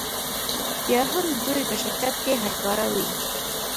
بیا هم دوی په شرکت کې هر کاره وي